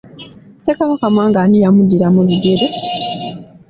Ssekabaka Mwanga ani yamuddira mu bigere?